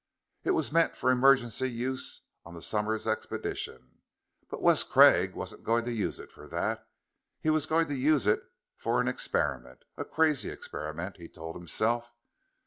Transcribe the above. It was meant for emergency use on the Somers Expedition. But Wes Craig wasn't going to use it for that. He was going to use it for an experiment a crazy experiment, he told himself.